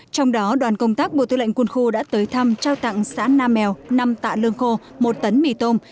trong đó đoàn công tác bộ tư lệnh quân khu đã tới thăm trao tặng xã nam mèo năm tạ lương khô một tấn mì tôm